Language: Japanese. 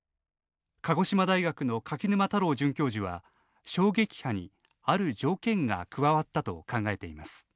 鹿児島大学の柿沼太郎准教授は衝撃波にある条件が加わったと考えています。